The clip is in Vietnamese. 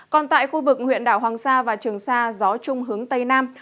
còn tại khu vực huyện đảo hoàng sa và trường sa gió trung hướng tây nam